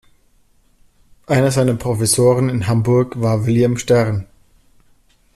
Einer seiner Professoren in Hamburg war William Stern.